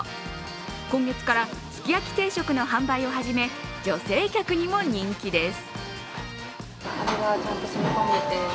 今月からすき焼き定食の販売を始め、女性客にも人気です。